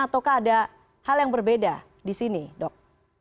ataukah ada hal yang berbeda di sini dok